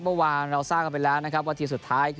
เมื่อวานเราทราบกันไปแล้วนะครับว่าทีมสุดท้ายคือ